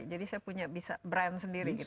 jadi saya punya brand sendiri